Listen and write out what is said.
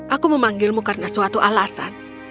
aku memanggilmu karena suatu alasan